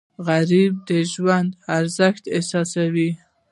غریب د ژوند ارزښت احساسوي